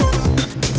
wah keren banget